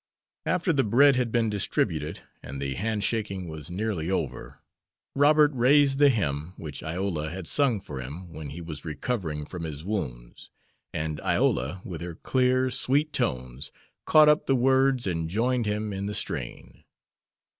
After the bread had been distributed and the handshaking was nearly over, Robert raised the hymn which Iola had sung for him when he was recovering from his wounds, and Iola, with her clear, sweet tones, caught up the words and joined him in the strain.